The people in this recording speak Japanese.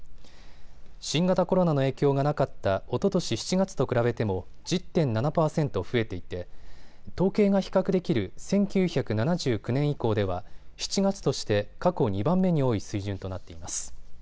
新型コロナの影響がなかったおととし７月と比べても１０．７％増えていて統計が比較できる１９７９年以降では７月として過去２番目に多い水準となっています。